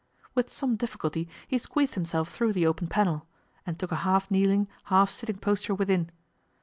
With some difficulty he squeezed himself through the open panel, and took a half kneeling, half sitting posture within.